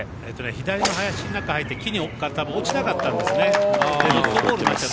左の林の中入って木に落ちなかったんですね。